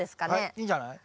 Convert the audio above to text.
いいんじゃない。